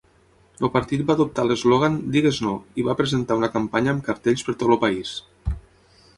El partit va adoptar l'eslògan "Digues no" i va presentar una campanya amb cartells per tot el país.